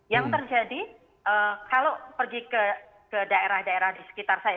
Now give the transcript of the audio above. yang terjadi kalau pergi ke daerah daerah di sekitar saya